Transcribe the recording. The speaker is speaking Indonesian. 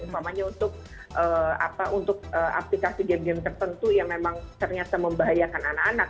umpamanya untuk aplikasi game game tertentu yang memang ternyata membahayakan anak anak